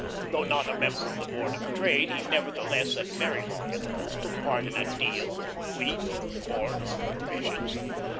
Though not a member of the Board of Trade, he nevertheless at very long intervals took part in a "deal" in wheat, or corn, or provisions.